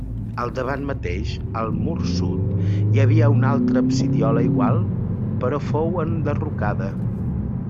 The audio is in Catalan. Al davant mateix, al mur sud, hi havia una altra absidiola igual però fou enderrocada.